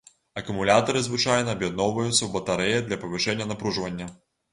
Акумулятары звычайна аб'ядноўваюцца ў батарэі для павышэння напружвання.